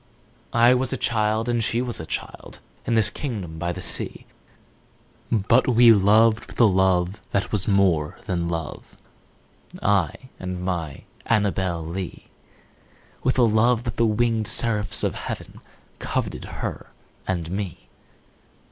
I was a child and she was a child, In this kingdom by the sea; But we loved with a love that was more than love I and my Annabel Lee; With a love that the winged seraphs of heaven Coveted her and me.